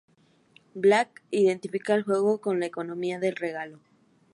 Black identifica al juego con la economía del regalo.